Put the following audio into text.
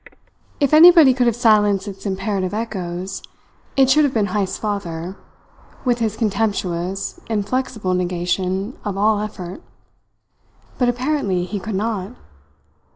If anybody could have silenced its imperative echoes, it should have been Heyst's father, with his contemptuous, inflexible negation of all effort; but apparently he could not.